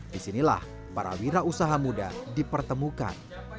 disinilah para wira usaha muda dipertemukan